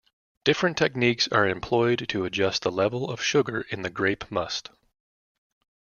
Different techniques are employed to adjust the level of sugar in the grape must.